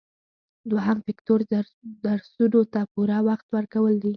دوهم فکتور درسونو ته پوره وخت ورکول دي.